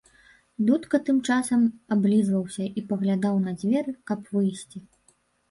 Дудка тым часам аблізваўся і паглядаў на дзверы, каб выйсці.